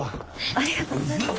ありがとうございます。